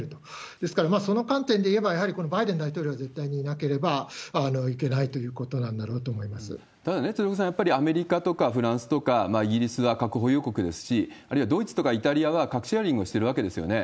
ですから、その観点で言えば、やはりこのバイデン大統領は絶対にいなければいけないということただ、鶴岡さん、やはりアメリカとかフランスとかイギリスは核保有国ですし、あるいはドイツとかイタリアは核シェアリングをしてるわけですよね。